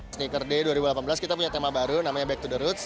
sneaker day dua ribu delapan belas kita punya tema baru namanya back to the roads